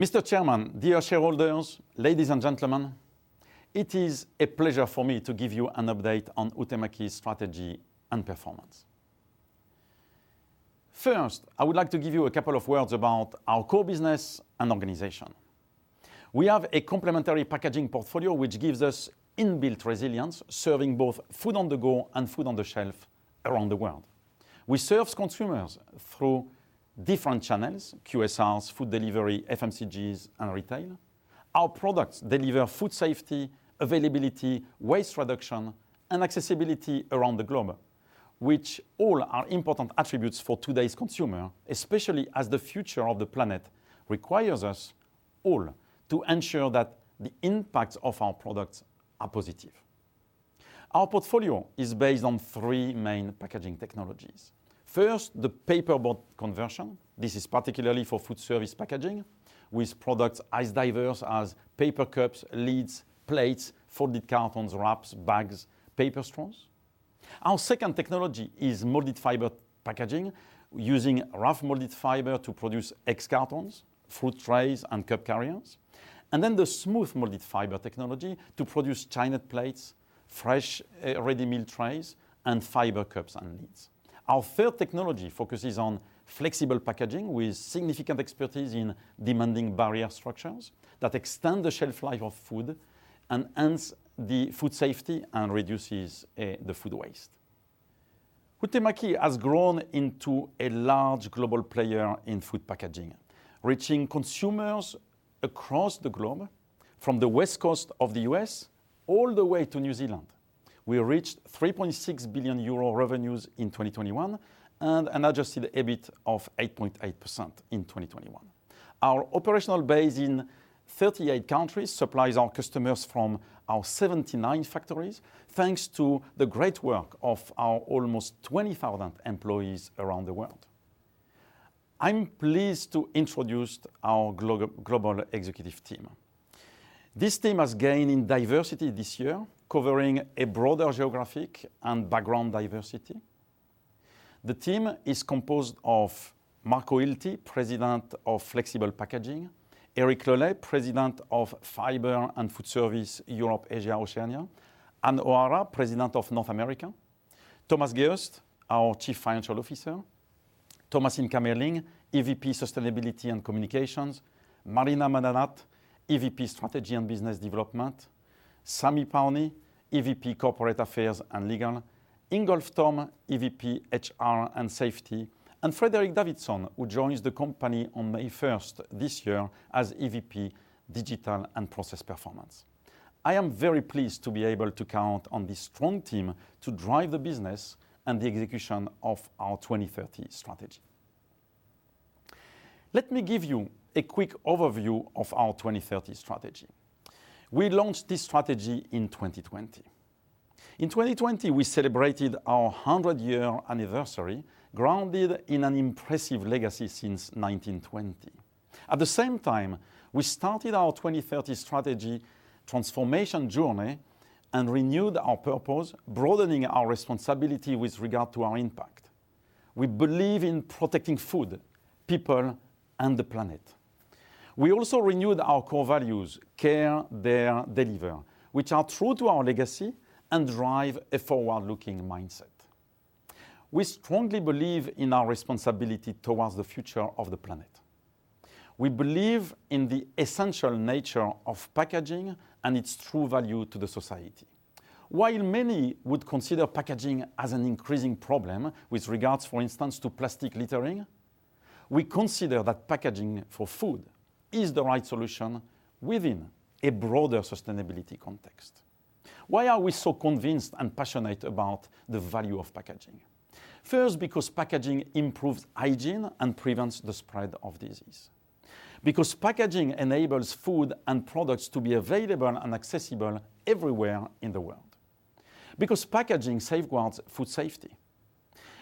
Mr. Chairman, dear shareholders, ladies and gentlemen, it is a pleasure for me to give you an update on Huhtamäki's strategy and performance. First, I would like to give you a couple of words about our core business and organization. We have a complementary packaging portfolio, which gives us inbuilt resilience, serving both food on the go and food on the shelf around the world. We serve consumers through different channels: QSRs, food delivery, FMCGs, and retail. Our products deliver food safety, availability, waste reduction, and accessibility around the globe, which all are important attributes for today's consumer, especially as the future of the planet requires us all to ensure that the impacts of our products are positive. Our portfolio is based on three main packaging technologies. First, the paperboard conversion. This is particularly for foodservice packaging, with products as diverse as paper cups, lids, plates, folded cartons, wraps, bags, paper straws. Our second technology is molded fiber packaging, using rough molded fiber to produce egg cartons, fruit trays, and cup carriers, and then the smooth molded fiber technology to produce Chinet plates, fresh, ready-meal trays, and fiber cups and lids. Our third technology focuses on flexible packaging with significant expertise in demanding barrier structures that extend the shelf life of food and hence the food safety and reduces the food waste. Huhtamäki has grown into a large global player in food packaging, reaching consumers across the globe from the West Coast of the U.S. all the way to New Zealand. We reached 3.6 billion euro revenues in 2021 and an adjusted EBIT of 8.8% in 2021. Our operational base in 38 countries supplies our customers from our 79 factories, thanks to the great work of our almost 20,000 employees around the world. I'm pleased to introduce our global executive team. This team has gained in diversity this year, covering a broader geographic and background diversity. The team is composed of Marco Hilty, President of Flexible Packaging, Eric Le Lay, President of Fiber and Foodservice, Europe, Asia, Oceania, Ann O'Hara, President of North America, Thomas Geust, our Chief Financial Officer, Thomasine Kamerling, EVP, Sustainability and Communications, Marina Madanat, EVP, Strategy and Business Development, Sami Pauni, EVP, Corporate Affairs and Legal, Ingolf Thom, EVP, HR and Safety, and Fredrik Davidsson, who joins the company on May 1st this year as EVP, Digital and Process Performance. I am very pleased to be able to count on this strong team to drive the business and the execution of our 2030 strategy. Let me give you a quick overview of our 2030 strategy. We launched this strategy in 2020. In 2020, we celebrated our 100-year anniversary, grounded in an impressive legacy since 1920. At the same time, we started our 2030 strategy transformation journey and renewed our purpose, broadening our responsibility with regard to our impact. We believe in protecting food, people, and the planet. We also renewed our core values: care, dare, deliver, which are true to our legacy and drive a forward-looking mindset. We strongly believe in our responsibility towards the future of the planet. We believe in the essential nature of packaging and its true value to the society. While many would consider packaging as an increasing problem with regards, for instance, to plastic littering, we consider that packaging for food is the right solution within a broader sustainability context. Why are we so convinced and passionate about the value of packaging? First, because packaging improves hygiene and prevents the spread of disease. Because packaging enables food and products to be available and accessible everywhere in the world. Because packaging safeguards food safety.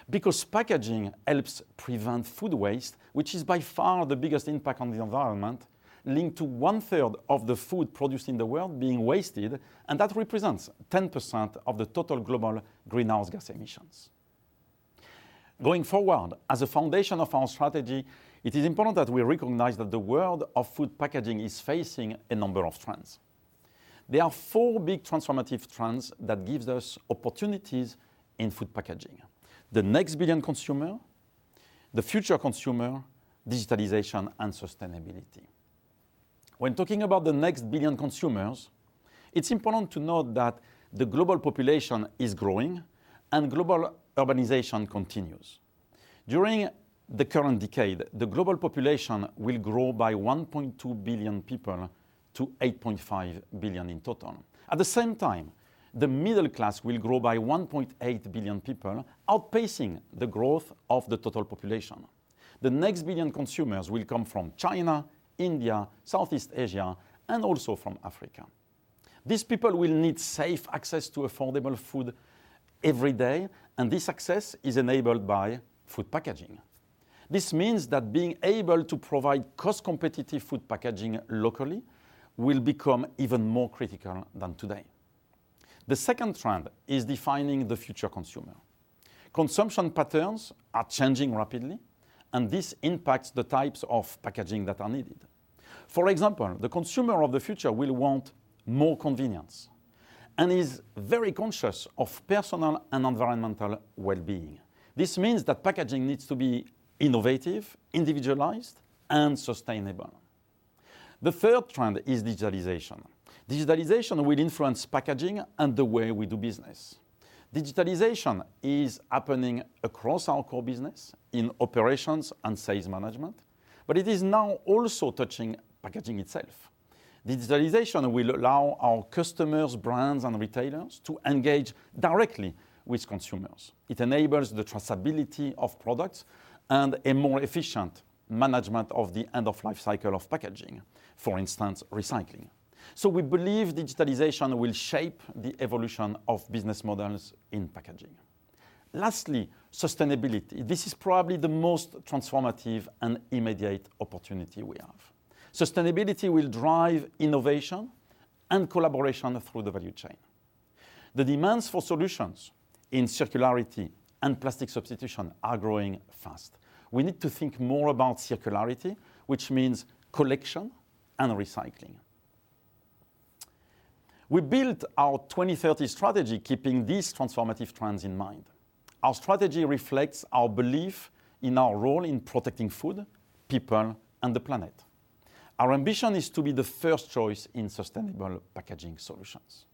Because packaging helps prevent food waste, which is by far the biggest impact on the environment, linked to 1/3 of the food produced in the world being wasted, and that represents 10% of the total global greenhouse gas emissions. Going forward, as a foundation of our strategy, it is important that we recognize that the world of food packaging is facing a number of trends. There are four big transformative trends that gives us opportunities in food packaging: the next billion consumer, the future consumer, digitalization, and sustainability. When talking about the next billion consumers, it's important to note that the global population is growing and global urbanization continues. During the current decade, the global population will grow by 1.2 billion people to 8.5 billion in total. At the same time, the middle class will grow by 1.8 billion people, outpacing the growth of the total population. The next billion consumers will come from China, India, Southeast Asia, and also from Africa. These people will need safe access to affordable food every day, and this access is enabled by food packaging. This means that being able to provide cost-competitive food packaging locally will become even more critical than today. The second trend is defining the future consumer. Consumption patterns are changing rapidly, and this impacts the types of packaging that are needed. For example, the consumer of the future will want more convenience and is very conscious of personal and environmental well-being. This means that packaging needs to be innovative, individualized, and sustainable. The third trend is digitalization. Digitalization will influence packaging and the way we do business. Digitalization is happening across our core business in operations and sales management, but it is now also touching packaging itself. Digitalization will allow our customers, brands, and retailers to engage directly with consumers. It enables the traceability of products and a more efficient management of the end-of-life cycle of packaging, for instance, recycling. So we believe digitalization will shape the evolution of business models in packaging. Lastly, sustainability. This is probably the most transformative and immediate opportunity we have. Sustainability will drive innovation and collaboration through the value chain. The demands for solutions in circularity and plastic substitution are growing fast. We need to think more about circularity, which means collection and recycling. We built our 2030 strategy keeping these transformative trends in mind. Our strategy reflects our belief in our role in protecting food, people, and the planet. Our ambition is to be the first choice in sustainable packaging solutions.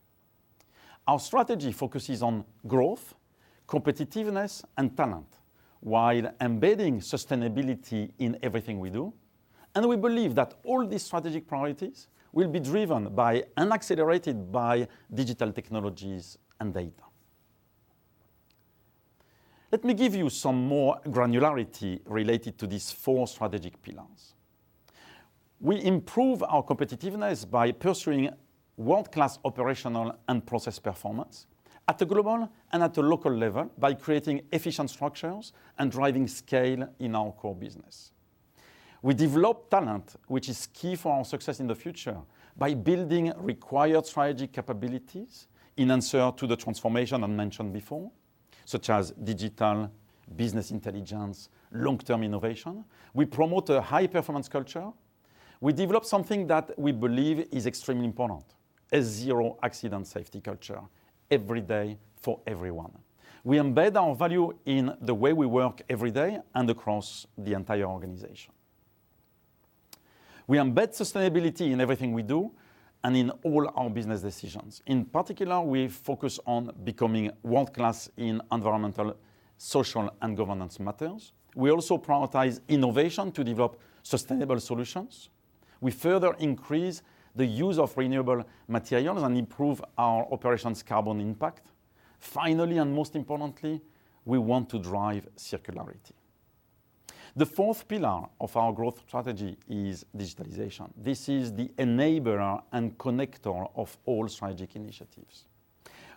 Our strategy focuses on growth, competitiveness, and talent, while embedding sustainability in everything we do, and we believe that all these strategic priorities will be driven by and accelerated by digital technologies and data. Let me give you some more granularity related to these four strategic pillars. We improve our competitiveness by pursuing world-class operational and process performance at a global and at a local level by creating efficient structures and driving scale in our core business. We develop talent, which is key for our success in the future, by building required strategic capabilities in answer to the transformation I mentioned before, such as digital business intelligence, long-term innovation. We promote a high-performance culture. We develop something that we believe is extremely important, a zero-accident safety culture every day for everyone. We embed our value in the way we work every day and across the entire organization. We embed sustainability in everything we do and in all our business decisions. In particular, we focus on becoming world-class in environmental, social, and governance matters. We also prioritize innovation to develop sustainable solutions. We further increase the use of renewable materials and improve our operations' carbon impact. Finally, and most importantly, we want to drive circularity. The fourth pillar of our growth strategy is digitalization. This is the enabler and connector of all strategic initiatives.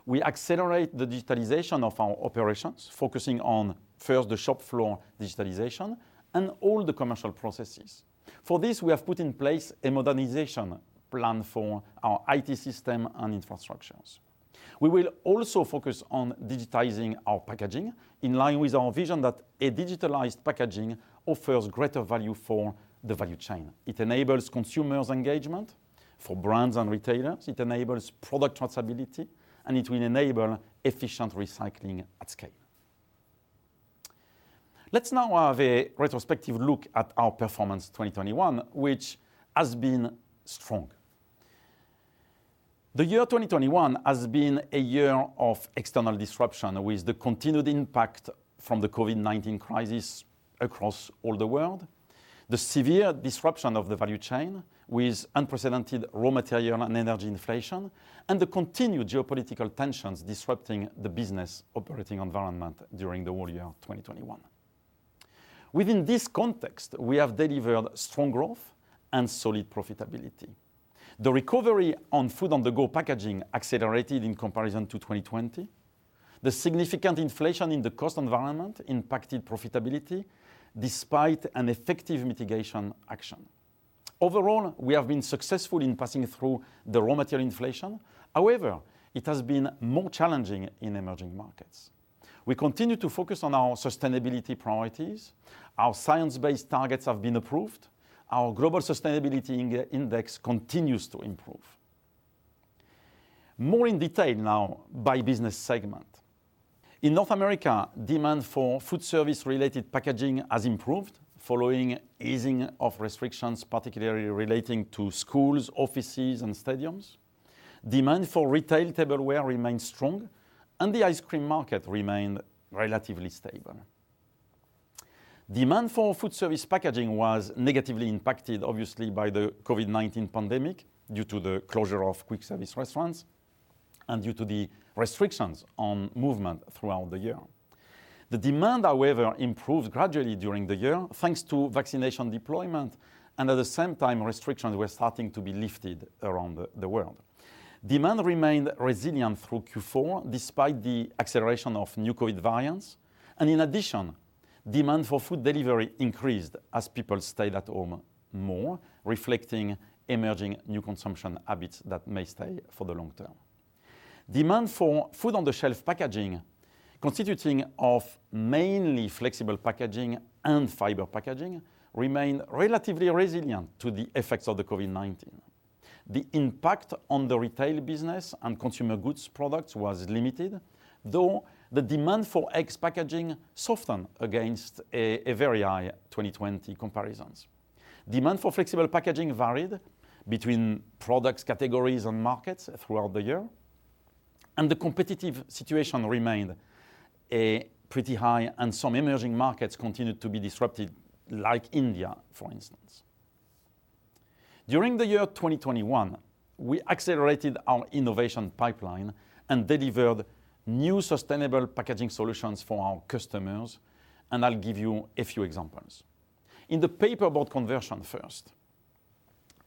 We accelerate the digitalization of our operations, focusing on, first, the shop floor digitalization and all the commercial processes. For this, we have put in place a modernization plan for our IT system and infrastructures. We will also focus on digitizing our packaging, in line with our vision that a digitalized packaging offers greater value for the value chain. It enables consumers' engagement. For brands and retailers, it enables product traceability, and it will enable efficient recycling at scale. Let's now have a retrospective look at our performance 2021, which has been strong. The year 2021 has been a year of external disruption, with the continued impact from the COVID-19 crisis across all the world, the severe disruption of the value chain, with unprecedented raw material and energy inflation, and the continued geopolitical tensions disrupting the business operating environment during the whole year of 2021. Within this context, we have delivered strong growth and solid profitability. The recovery on food-on-the-go packaging accelerated in comparison to 2020. The significant inflation in the cost environment impacted profitability despite an effective mitigation action. Overall, we have been successful in passing through the raw material inflation. However, it has been more challenging in emerging markets. We continue to focus on our sustainability priorities. Our science-based targets have been approved. Our global sustainability index continues to improve. More in detail now by business segment. In North America, demand for foodservice-related packaging has improved following easing of restrictions, particularly relating to schools, offices, and stadiums. Demand for retail tableware remains strong, and the ice cream market remained relatively stable. Demand for foodservice packaging was negatively impacted, obviously, by the COVID-19 pandemic, due to the closure of quick service restaurants and due to the restrictions on movement throughout the year. The demand, however, improved gradually during the year, thanks to vaccination deployment, and at the same time, restrictions were starting to be lifted around the world. Demand remained resilient through Q4, despite the acceleration of new COVID variants, and, in addition, demand for food delivery increased as people stayed at home more, reflecting emerging new consumption habits that may stay for the long term. Demand for food-on-the-shelf packaging, constituting of mainly flexible packaging and fiber packaging, remained relatively resilient to the effects of the COVID-19. The impact on the retail business and consumer goods products was limited, though the demand for eggs packaging softened against a very high 2020 comparisons. Demand for flexible packaging varied between products, categories, and markets throughout the year, and the competitive situation remained pretty high, and some emerging markets continued to be disrupted, like India, for instance. During the year 2021, we accelerated our innovation pipeline and delivered new sustainable packaging solutions for our customers, and I'll give you a few examples. In the paperboard conversion first,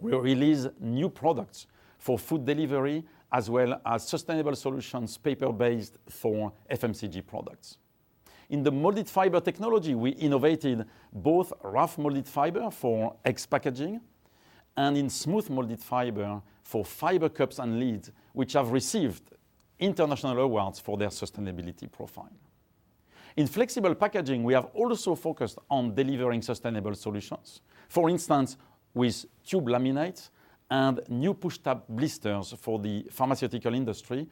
we released new products for food delivery, as well as sustainable solutions, paper-based for FMCG products. In the molded fiber technology, we innovated both rough molded fiber for eggs packaging and in smooth molded fiber for fiber cups and lids, which have received international awards for their sustainability profile. In flexible packaging, we have also focused on delivering sustainable solutions. For instance, with tube laminates and new Push Tab blisters for the pharmaceutical industry,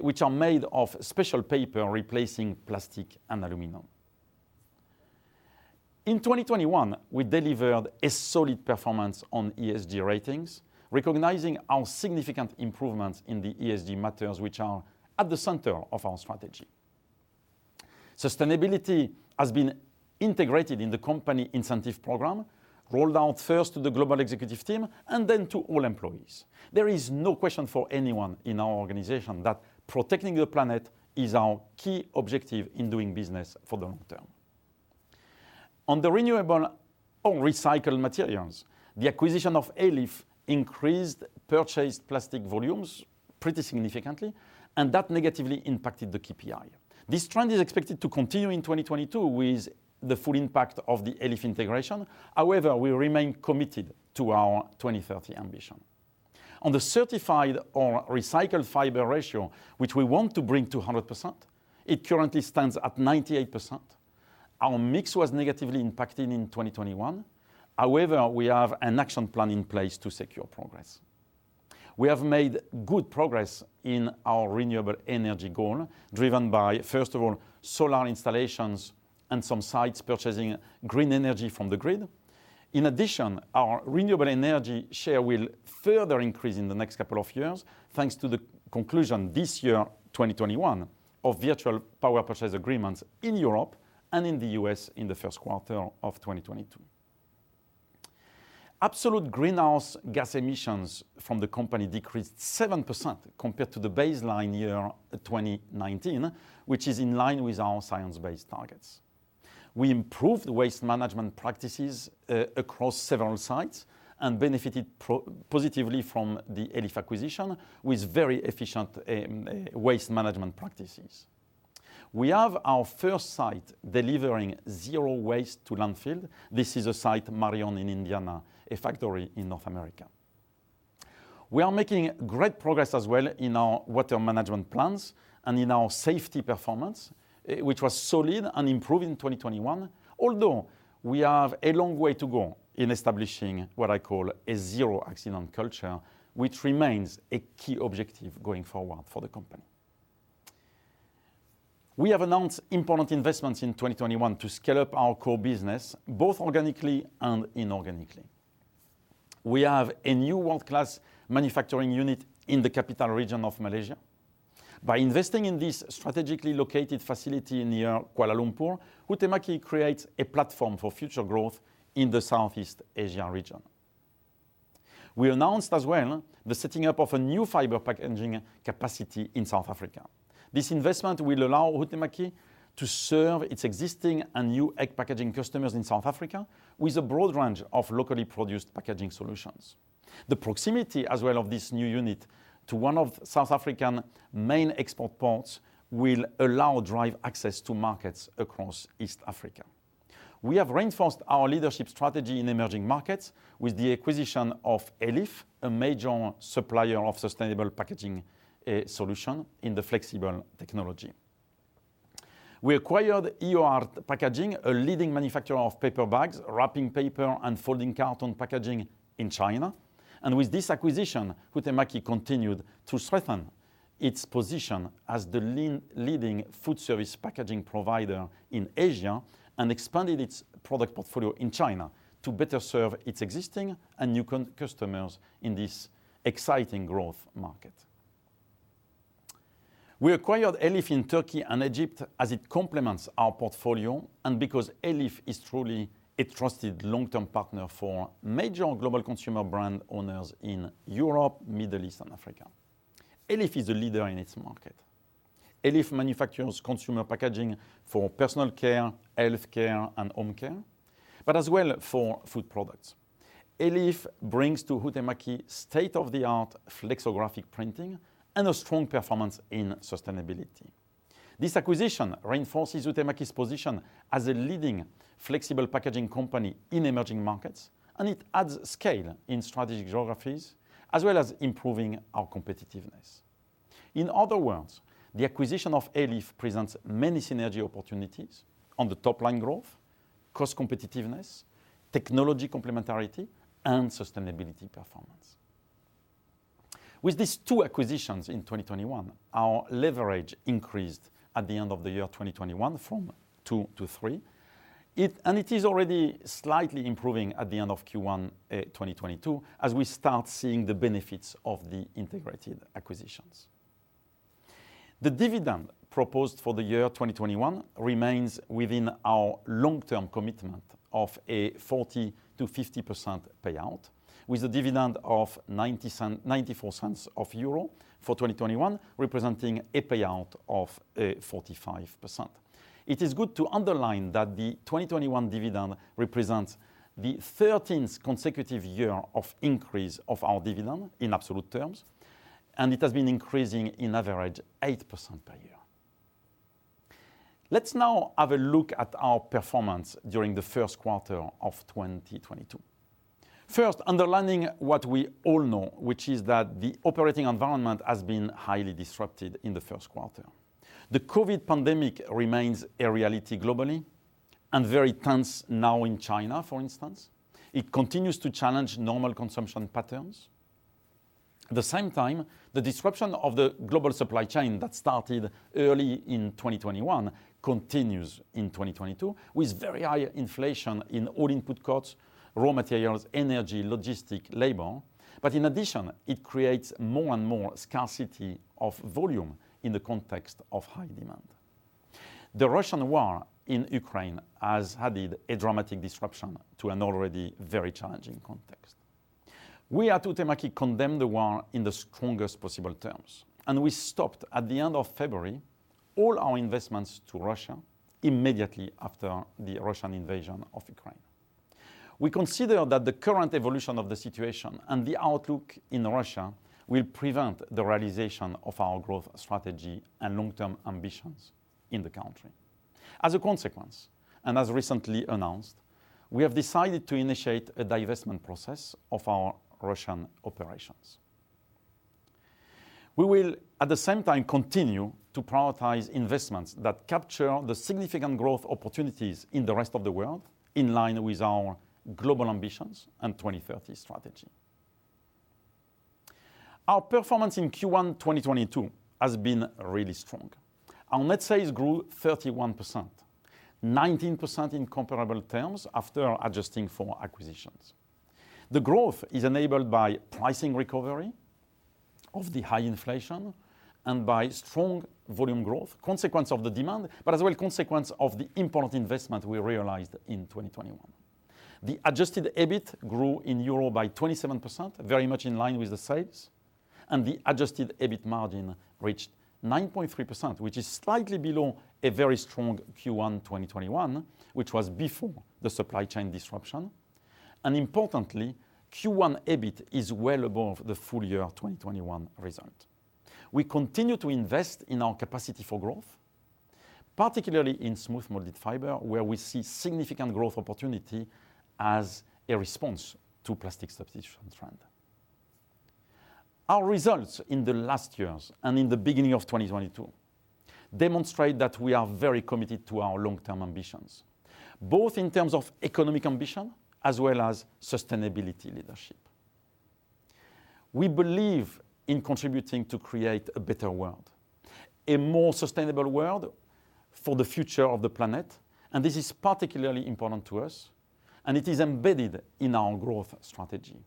which are made of special paper, replacing plastic and aluminum. In 2021, we delivered a solid performance on ESG ratings, recognizing our significant improvements in the ESG matters, which are at the center of our strategy. Sustainability has been integrated in the company incentive program, rolled out first to the global executive team and then to all employees. There is no question for anyone in our organization that protecting the planet is our key objective in doing business for the long term. On the renewable or recycled materials, the acquisition of Elif increased purchased plastic volumes pretty significantly, and that negatively impacted the KPI. This trend is expected to continue in 2022 with the full impact of the Elif integration. However, we remain committed to our 2030 ambition. On the certified or recycled fiber ratio, which we want to bring to 100%, it currently stands at 98%. Our mix was negatively impacted in 2021. However, we have an action plan in place to secure progress. We have made good progress in our renewable energy goal, driven by, first of all, solar installations and some sites purchasing green energy from the grid. In addition, our renewable energy share will further increase in the next couple of years, thanks to the conclusion this year, 2021, of virtual power purchase agreements in Europe and in the U.S. in the first quarter of 2022. Absolute greenhouse gas emissions from the company decreased 7% compared to the baseline year, 2019, which is in line with our science-based targets. We improved waste management practices across several sites and benefited positively from the Elif acquisition, with very efficient waste management practices. We have our first site delivering zero waste to landfill. This is a site, Marion, in Indiana, a factory in North America. We are making great progress as well in our water management plans and in our safety performance, which was solid and improved in 2021, although we have a long way to go in establishing what I call a zero-accident culture, which remains a key objective going forward for the company. We have announced important investments in 2021 to scale up our core business, both organically and inorganically. We have a new world-class manufacturing unit in the capital region of Malaysia. By investing in this strategically located facility near Kuala Lumpur, Huhtamäki creates a platform for future growth in the Southeast Asian region. We announced as well the setting up of a new fiber packaging capacity in South Africa. This investment will allow Huhtamäki to serve its existing and new egg packaging customers in South Africa with a broad range of locally produced packaging solutions. The proximity, as well, of this new unit to one of South Africa's main export ports will allow direct access to markets across East Africa. We have reinforced our leadership strategy in emerging markets with the acquisition of Elif, a major supplier of sustainable packaging solution in the flexible packaging. We acquired Hihio-Art Packaging, a leading manufacturer of paper bags, wrapping paper, and folding carton packaging in China. With this acquisition, Huhtamäki continued to strengthen its position as the leading foodservice packaging provider in Asia, and expanded its product portfolio in China to better serve its existing and new customers in this exciting growth market. We acquired Elif in Turkey and Egypt as it complements our portfolio and because Elif is truly a trusted long-term partner for major global consumer brand owners in Europe, Middle East, and Africa. Elif is a leader in its market. Elif manufactures consumer packaging for personal care, health care, and home care, but as well for food products. Elif brings to Huhtamäki state-of-the-art flexographic printing and a strong performance in sustainability. This acquisition reinforces Huhtamäki's position as a leading flexible packaging company in emerging markets, and it adds scale in strategic geographies, as well as improving our competitiveness. In other words, the acquisition of Elif presents many synergy opportunities on the top line growth, cost competitiveness, technology complementarity, and sustainability performance. With these two acquisitions in 2021, our leverage increased at the end of the year 2021 from two to three. And it is already slightly improving at the end of Q1 2022, as we start seeing the benefits of the integrated acquisitions. The dividend proposed for the year 2021 remains within our long-term commitment of a 40%-50% payout, with a dividend of 0.94 for 2021, representing a payout of 45%. It is good to underline that the 2021 dividend represents the 13th consecutive year of increase of our dividend in absolute terms, and it has been increasing in average 8% per year. Let's now have a look at our performance during the first quarter of 2022. First, underlining what we all know, which is that the operating environment has been highly disrupted in the first quarter. The COVID pandemic remains a reality globally and very tense now in China, for instance. It continues to challenge normal consumption patterns. At the same time, the disruption of the global supply chain that started early in 2021 continues in 2022, with very high inflation in all input costs, raw materials, energy, logistics, labor. But in addition, it creates more and more scarcity of volume in the context of high demand. The Russian war in Ukraine has added a dramatic disruption to an already very challenging context. We at Huhtamäki condemn the war in the strongest possible terms, and we stopped at the end of February all our investments to Russia immediately after the Russian invasion of Ukraine. We consider that the current evolution of the situation and the outlook in Russia will prevent the realization of our growth strategy and long-term ambitions in the country. As a consequence, and as recently announced, we have decided to initiate a divestment process of our Russian operations. We will, at the same time, continue to prioritize investments that capture the significant growth opportunities in the rest of the world, in line with our global ambitions and 2030 strategy. Our performance in Q1 2022 has been really strong. Our net sales grew 31%, 19% in comparable terms after adjusting for acquisitions. The growth is enabled by pricing recovery of the high inflation and by strong volume growth, consequence of the demand, but as well, consequence of the important investment we realized in 2021. The adjusted EBIT grew in Euro by 27%, very much in line with the sales, and the adjusted EBIT margin reached 9.3%, which is slightly below a very strong Q1 2021, which was before the supply chain disruption. And importantly, Q1 EBIT is well above the full year 2021 result. We continue to invest in our capacity for growth, particularly in smooth molded fiber, where we see significant growth opportunity as a response to plastic substitution trend. Our results in the last years and in the beginning of 2022 demonstrate that we are very committed to our long-term ambitions, both in terms of economic ambition as well as sustainability leadership. We believe in contributing to create a better world, a more sustainable world for the future of the planet, and this is particularly important to us, and it is embedded in our growth strategy.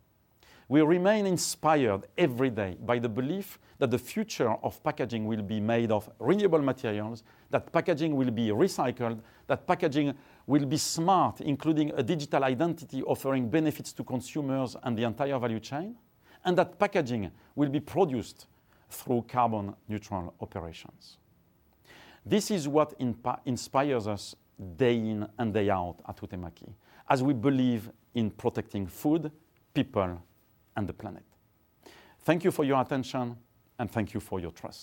We remain inspired every day by the belief that the future of packaging will be made of renewable materials, that packaging will be recycled, that packaging will be smart, including a digital identity offering benefits to consumers and the entire value chain, and that packaging will be produced through carbon-neutral operations. This is what inspires us day in and day out at Huhtamäki, as we believe in protecting food, people, and the planet. Thank you for your attention, and thank you for your trust.